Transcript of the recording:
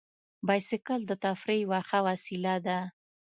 بایسکل د تفریح یوه ښه وسیله ده.